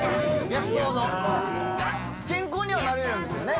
健康にはなれるんですよね？